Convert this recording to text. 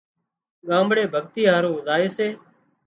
ڳامڙي ڀڳتي هارو زائي سي